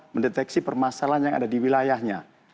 mendeteksi kemampuan yang ada di kampungnya